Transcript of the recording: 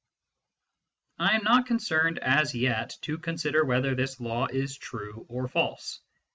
J I am not concerned as yet to consider whether this law is true or false.